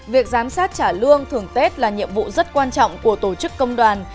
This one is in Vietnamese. việc giám sát trả lương thường tết là nhiệm vụ rất quan trọng của tổ chức công đoàn